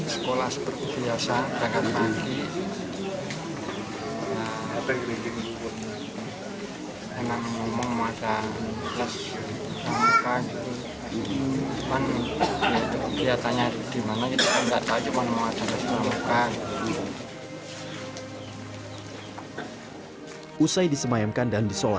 sekolah seperti biasa